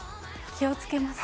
気をつけます。